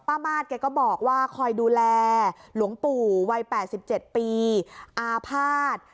ป้ามาศแกก็บอกว่าคอยดูแลหลวงปู่วัยแปดสิบเจ็ดปีอาภาษ